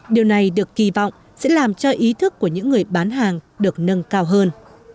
điều này được kỳ vọng sẽ làm cho ý thức của những người bán hàng được nâng cao hơn